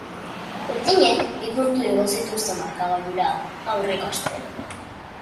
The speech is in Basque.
Urdinek bi puntu igo zituzten markagailura aurreko astean.